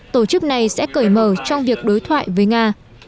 tổ chức này sẽ cởi mở trong việc đối thoại với nga